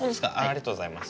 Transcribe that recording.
ありがとうございます。